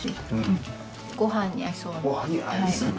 ご飯に合いそうな。